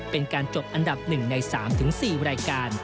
เป็นการจบอันดับ๑ใน๓๔รายการ